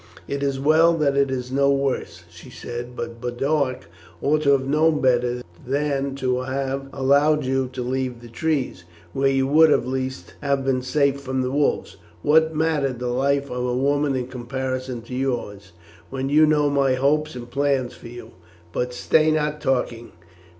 "It is well that it is no worse," she said; "but Boduoc ought to have known better than to have allowed you to leave the trees, where you would at least have been safe from the wolves. What mattered the life of a woman in comparison to yours, when you know my hopes and plans for you? But stay not talking.